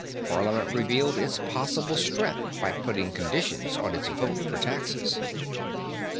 Parliament revealed its possible strength by putting conditions on its vote for taxes.